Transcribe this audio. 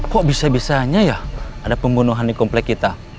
kok bisa bisanya ya ada pembunuhan di komplek kita